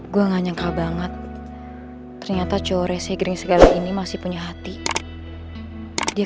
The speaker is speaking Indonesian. gua ga nyangka banget ternyata colore seg irgendwo berd seleksik tahun this has sake lidded to deep dorks